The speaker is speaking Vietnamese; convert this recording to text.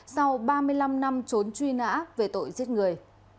sau ba mươi năm năm trốn truy nã về tội giết người